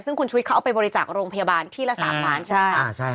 ซึ่งคุณชุวิตเขาเอาไปบริจาคโรงพยาบาลที่ละ๓ล้านใช่ไหมคะ